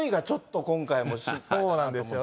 そうなんですよね。